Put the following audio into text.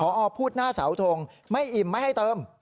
พอพูดหน้าเสาทงไม่อิ่มไม่ให้เติม